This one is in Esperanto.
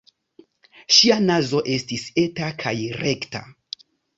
Ŝia nazo estis eta kaj rekta.